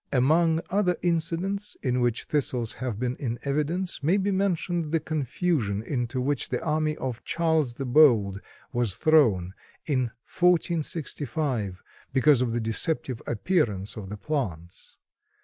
Among other incidents in which Thistles have been in evidence may be mentioned the confusion into which the army of Charles the Bold was thrown, in 1465, because of the deceptive appearance of the plants.